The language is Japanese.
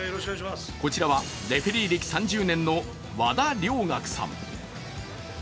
こちらはレフェリー歴３０年の和田良覚さん。